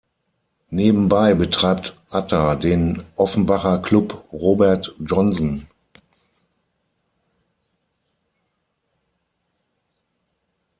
Nebenbei betreibt Ata den Offenbacher Club Robert Johnson.